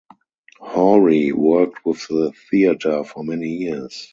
Hoori worked with the theatre for many years.